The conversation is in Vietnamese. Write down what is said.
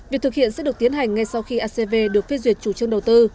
việc thực hiện sẽ được tiến hành ngay sau khi acv được phê duyệt chủ trương đầu tư